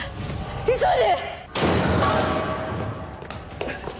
急いで！